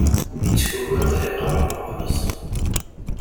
Ittkukru ad iqerreb ɣur-s.